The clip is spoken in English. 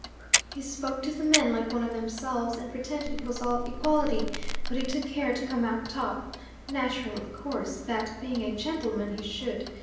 He spoke to the men like one of themselves, and pretended it was all equality, but he took care to come out top. Natural, of course, that, being a gentleman, he should.